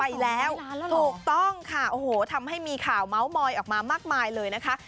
ไปแล้วถูกต้องค่ะโอ้โหทำให้มีข่าวเมาส์มอยออกมามากมายเลยนะคะ